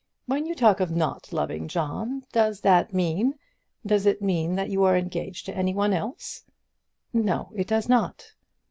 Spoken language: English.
When you talk of not loving John, does that mean does it mean that you are engaged to anyone else?" "No, it does not."